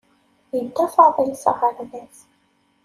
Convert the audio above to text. Yedda Faḍil s aɣerbaz.